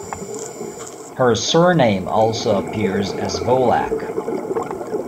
Her surname also appears as Volach.